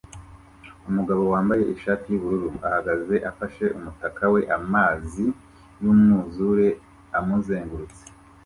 Umugabo wambaye ishati yubururu ahagaze afashe umutaka we amazi yumwuzure amuzengurutse